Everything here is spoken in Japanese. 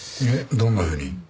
どんなふうに？